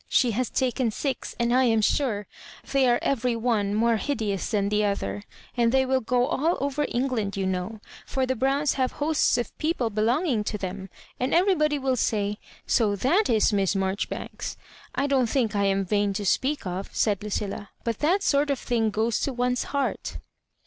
She has taken six, and I am sure they ate every one more hideous than the other; and they will go all over England, you know, for the Browns have hosts of people belonging to them ; and everybody will say, * So that is Miss Maijoribanks.' I don't think I anc vam to speak of," said LuciUa, " but that sort of thing goes to one's heart."